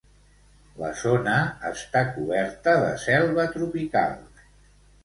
La zona està coberta de selva tropical.